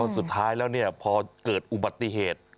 สุดท้ายแล้วพอเกิดอุบัติเหตุ